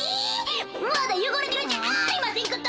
まだよごれてるじゃありませんこと。